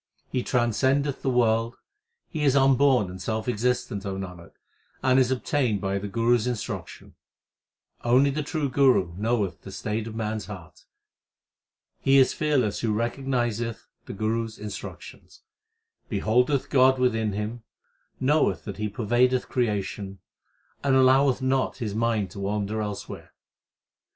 He transcendeth the world , He is unborn and self existent, O Nanak, and is obtained by the Guru s in struction. Only the True Guru knoweth the state of man s heart. He is fearless who recognizeth the Guru s instructions, Beholdeth God within him, knoweth that He pervadeth creation, and alloweth not his mind to wander elsewhere.